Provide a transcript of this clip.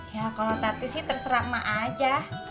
ya kalau tati sih terserah emak aja